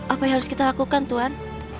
apa yang harus kita lakukan tuhan